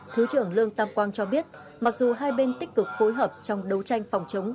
thứ trưởng lương tam quang cho biết mặc dù hai bên tích cực phối hợp trong đấu tranh phòng chống